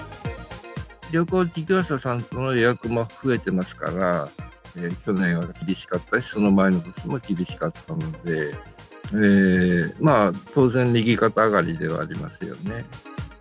旅行事業者さんへの予約も増えてますから、去年は厳しかったし、その前の年も厳しかったので、当然、右肩上がりではありますよね。